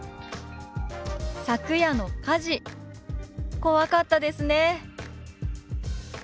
「昨夜の火事怖かったですね」。